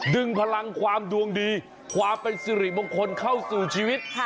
ดึงพลังความดวงดีความเป็นสิริมงคลเข้าสู่ชีวิต